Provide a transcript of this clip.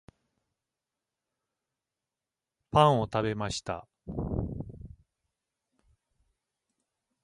パンを食べました